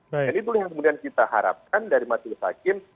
dan itu yang kemudian kita harapkan dari masyarakat hakim